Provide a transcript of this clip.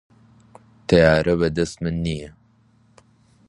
تەیارە بە دەست من نییە.